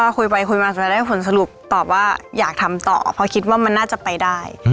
คุยไปคุยมาจะได้ผลสรุปตอบว่าอยากทำต่อเพราะคิดว่ามันน่าจะไปได้